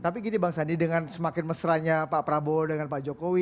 tapi gini bang sandi dengan semakin mesranya pak prabowo dengan pak jokowi